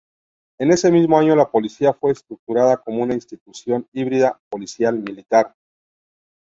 En ese mismo año la policía fue estructurada como una institución híbrida policial-militar.